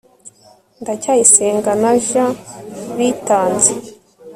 ndacyayisenga na j bitanze